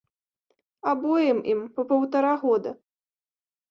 Абоім ім па паўтара года.